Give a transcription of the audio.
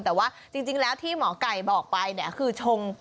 แต่ว่าจริงแล้วที่หมอไก่บอกไปเนี่ยคือชง